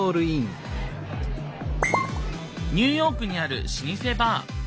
ニューヨークにある老舗バー。